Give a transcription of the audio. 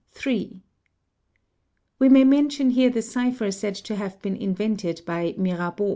We may mention here the cipher said to have been invented by Mirabeau.